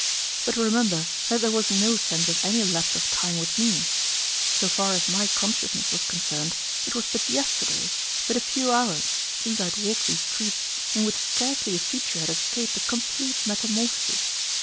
But remember that there was no sense of any lapse of time with me. So far as my consciousness was concerned, it was but yesterday, but a few hours, since I had walked these streets in which scarcely a feature had escaped a complete metamorphosis.